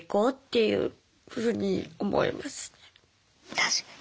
確かに。